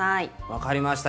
分かりました。